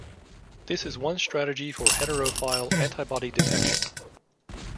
This is one strategy for heterophile antibody detection.